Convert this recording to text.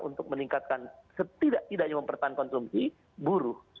untuk meningkatkan setidak tidaknya mempertahankan konsumsi buruh